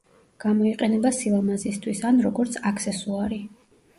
გამოიყენება სილამაზისთვის ან როგორც აქსესუარი.